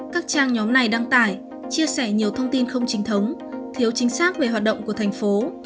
các trang nhóm này đăng tải chia sẻ nhiều thông tin không chính thống thiếu chính xác về hoạt động của thành phố